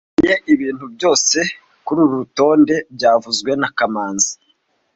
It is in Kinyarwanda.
Nkeneye ibintu byose kururu rutonde byavuzwe na kamanzi